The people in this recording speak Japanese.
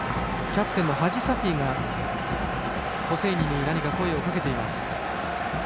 キャプテンのハジサフィがホセイニに何か声をかけています。